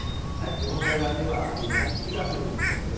日本海側では雨や雪が降る見込みです。